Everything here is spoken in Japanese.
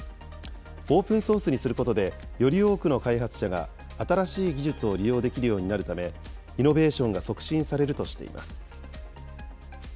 オープンソースにすることで、より多くの開発者が新しい技術を利用できるようになるため、イノベーションが促進されるとしています。